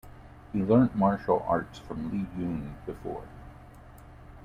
He learnt martial arts from Li Yun before.